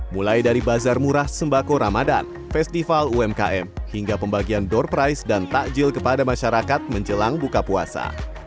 mulai dari bazar murah sembako ramadan festival umkm hingga pembagian door price dan takjil kepada masyarakat menjelang buka puasa